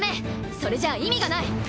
それじゃあ意味がない。